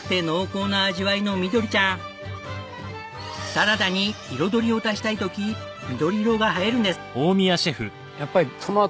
サラダに彩りを足したい時緑色が映えるんです。